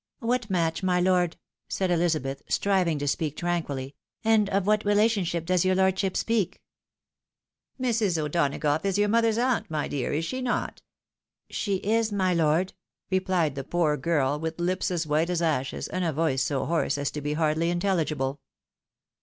" What match, my lord ?" said Elizabeth, striving to speak tranquilly, "and of what relationship does your lordship speak ?"" Mrs. O'Donagough is your mother's aunt, my dear, is she not?" " She is, my lord," replied the poor girl, with lips as white as ashes, and a voice so hoarse as to be hardly intelligible.